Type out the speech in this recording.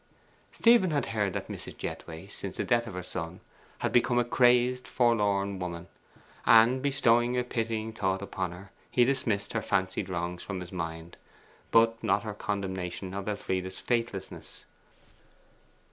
Stephen had heard that Mrs. Jethway, since the death of her son, had become a crazed, forlorn woman; and bestowing a pitying thought upon her, he dismissed her fancied wrongs from his mind, but not her condemnation of Elfride's faithlessness.